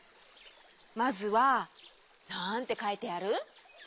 まずはなんてかいてある？